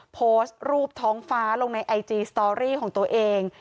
โพสต์รูปท้องฟ้าลงในไอจีสตอรี่ของตัวเอง